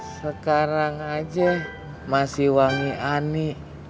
sekarang aja masih wangi ani